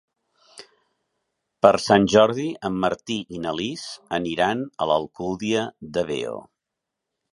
Per Sant Jordi en Martí i na Lis aniran a l'Alcúdia de Veo.